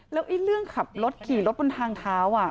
แล้วเรื่องขับรถขี่รถบนทางเท้า